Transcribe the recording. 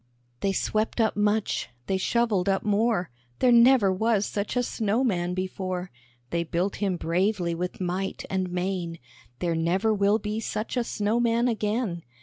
They swept up much, they shovelled up more, There never was such a snow man before! They built him bravely with might and main, There never will be such a snow man again!